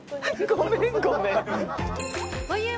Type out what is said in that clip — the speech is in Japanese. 「ごめんごめん」。